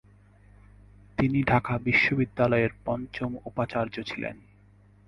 তিনি ঢাকা বিশ্ববিদ্যালয়ের পঞ্চম উপাচার্য ছিলেন।